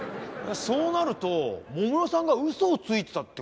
そうなると桃代さんがウソをついてたって事？